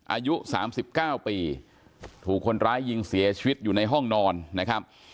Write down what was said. อายุ๓๙ปีถูกคนร้ายยิงเสียชีวิตอยู่ในห้องนอนนะครับ